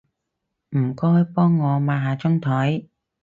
唔該幫我抹下張枱